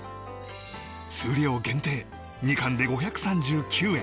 数量限定２貫で５３９円